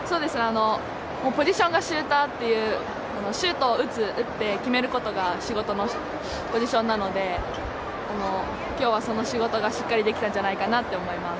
ポジションがシューターっていうシュートを打って決めることが仕事のポジションなので今日は、その仕事がしっかりできたんじゃないかなと思います。